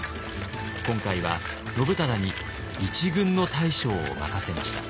今回は信忠に一軍の大将を任せました。